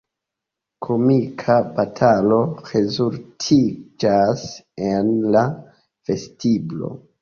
Komika batalo rezultiĝas en la vestiblo.